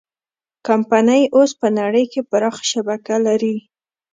کمپنۍ اوس په نړۍ کې پراخه شبکه لري.